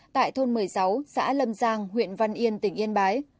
tại thôn một mươi sáu xã lâm giang huyện văn yên tỉnh yên bái